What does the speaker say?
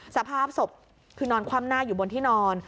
สภาพศพคือนอนคว่ำหน้าอยู่บนที่นอน